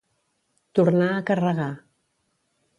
Tornar a carregar.